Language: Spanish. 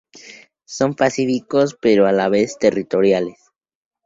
Son pacíficos pero a la vez territoriales.